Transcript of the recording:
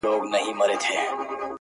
د مرغکیو د عمرونو کورګی!!